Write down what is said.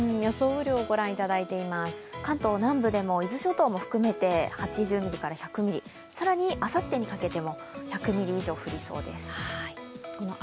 雨量、ご覧いただいています関東南部でも、伊豆諸島も含めて８０ミリ以上、更に、あさってにかけても１００ミリ以上降りそうです。